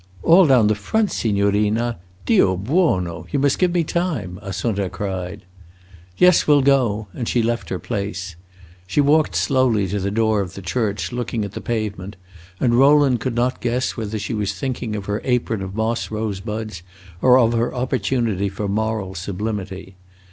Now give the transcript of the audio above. "All down the front, signorina? Dio buono! You must give me time!" Assunta cried. "Yes, we'll go!" And she left her place. She walked slowly to the door of the church, looking at the pavement, and Rowland could not guess whether she was thinking of her apron of moss rosebuds or of her opportunity for moral sublimity.